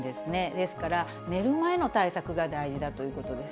ですから、寝る前の対策が大事だということです。